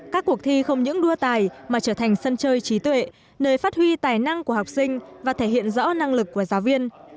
các cuộc thi không những đua tài mà trở thành sân chơi trí tuệ nơi phát huy tài năng của học sinh và thể hiện rõ năng lực của giáo viên